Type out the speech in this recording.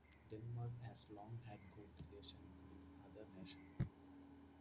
Denmark has long had good relations with other nations.